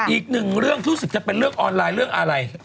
อีกหนึ่งเรื่องรู้สึกจะเป็นเรื่องออนไลน์เรื่องอะไร